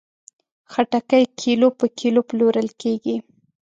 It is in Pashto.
خټکی کیلو په کیلو پلورل کېږي.